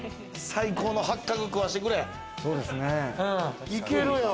最高のハッカク食わしてくれ。